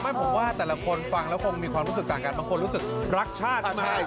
ไม่ผมว่าแต่ละคนฟังแล้วคงมีความรู้สึกต่างกันบางคนรู้สึกรักชาติมาก